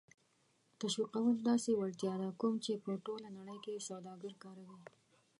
تشویقول داسې وړتیا ده کوم چې په ټوله نړۍ کې سوداگر کاروي